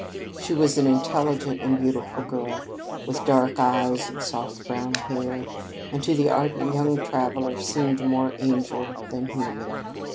She was an intelligent and beautiful girl, with dark eyes and soft brown hair, and to the ardent young traveller seemed more angel than human.